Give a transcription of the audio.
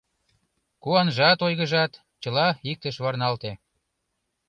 Куанжат, ойгыжат — чыла иктыш варналте.